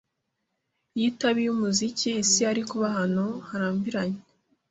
Iyo itaba iyumuziki, isi yari kuba ahantu harambiranye.